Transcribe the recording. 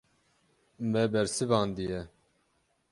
Me bersivandiye.